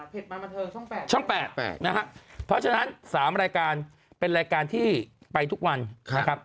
เผ็ดมาบันเทิงช่อง๘นะครับเพราะฉะนั้น๓รายการเป็นรายการที่ไปทุกวันนะครับ